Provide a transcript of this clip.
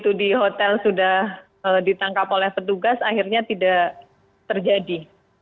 itu di hotel sudah ditangkap oleh petugas akhirnya tidak terjadi